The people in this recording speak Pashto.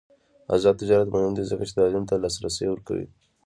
آزاد تجارت مهم دی ځکه چې تعلیم ته لاسرسی ورکوي.